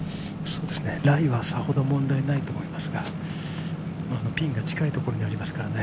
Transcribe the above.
ライは、さほど問題ないと思いますが、ピンが近いところにありますからね。